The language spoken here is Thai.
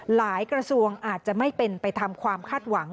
กระทรวงอาจจะไม่เป็นไปทำความคาดหวัง